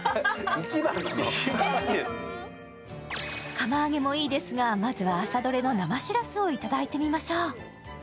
釜揚げもいいですが、まずは朝どれの生しらすをいただいてみましょう。